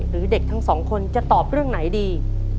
หรือเด็กทั้งสองคนจะตอบเรื่องไหนดี